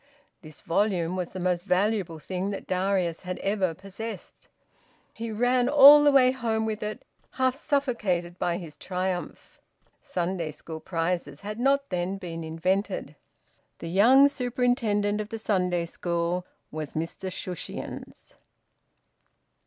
This volume was the most valuable thing that Darius had ever possessed. He ran all the way home with it, half suffocated by his triumph. Sunday school prizes had not then been invented. The young superintendent of the Sunday school was Mr Shushions.